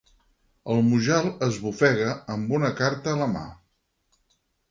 El Mujal esbufega, amb una carta a la mà.